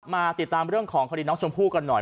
มาติดตามเรื่องของคดีน้องชมพู่กันหน่อย